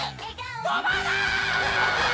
跳ばない！